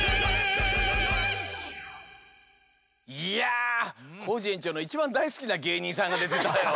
いやコージえんちょうのいちばんだいすきなげいにんさんがでてたよ。